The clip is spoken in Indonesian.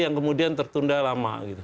yang kemudian tertunda lama